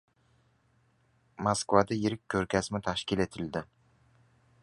Moskvada yirik ko‘rgazma tashkil etiladi